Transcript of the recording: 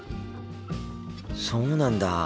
そうなんだ。